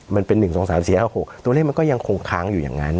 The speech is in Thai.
มันเป็น๑๒๓๔๕๖ตัวเลขมันก็ยังคงค้างอยู่อย่างนั้น